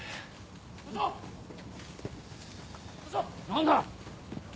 何だ。